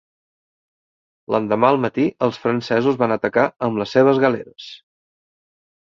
L'endemà al matí els francesos van atacar amb les seves galeres.